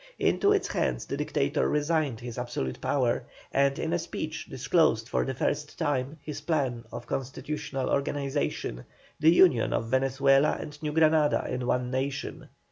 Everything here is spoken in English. Into its hands the Dictator resigned his absolute power, and in a speech disclosed for the first time his plan of constitutional organization, the union of Venezuela and New Granada in one nation.